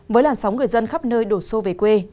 với làn sóng người dân khắp nơi đổ xô về quê